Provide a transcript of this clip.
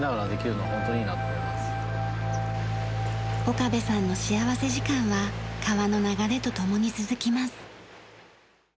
岡部さんの幸福時間は川の流れと共に続きます。